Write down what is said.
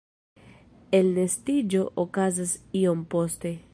Elnestiĝo okazas iom poste.